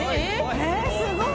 えっすごい。